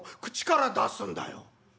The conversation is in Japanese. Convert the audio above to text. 「口から出すんだよ」。